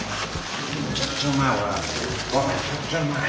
めちゃくちゃうまいわこれ。